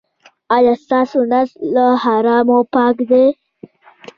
ایا ستاسو نس له حرامو پاک دی؟